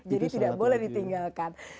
jadi tidak boleh ditinggalkan